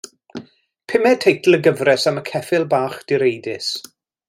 Pumed teitl y gyfres am y ceffyl bach direidus.